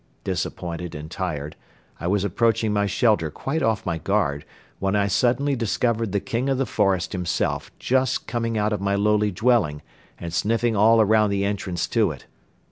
Disappointed and tired, I was approaching my shelter quite off my guard when I suddenly discovered the king of the forest himself just coming out of my lowly dwelling and sniffing all around the entrance to it.